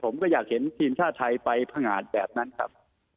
ผมก็อยากเห็นทีมชาติไทยไปพังงาดแบบนั้นครับ